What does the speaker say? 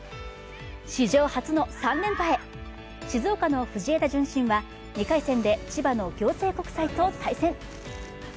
史上初の３連覇へ、静岡の藤枝順心は２回戦で千葉の暁星国際と対戦。